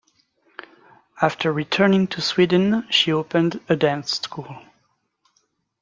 After returning to Sweden, she opened a dance school.